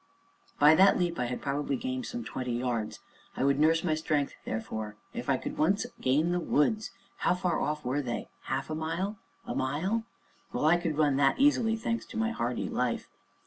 By that leap I had probably gained some twenty yards; I would nurse my strength, therefore. If I could once gain the woods! How far off were they? half a mile, a mile? well, I could run that easily, thanks to my hardy life.